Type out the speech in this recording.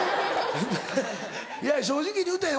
いや正直に言うてええよ